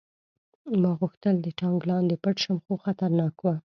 ما غوښتل د ټانک لاندې پټ شم خو خطرناک و